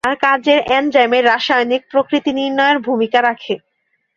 তার কাজ এনজাইমের রাসায়নিক প্রকৃতি নির্ণয়ে ভূমিকা রাখে।